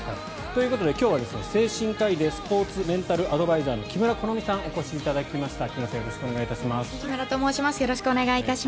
ということで今日は精神科医でスポーツメンタルアドバイザーの木村好珠さんにお越しいただきました。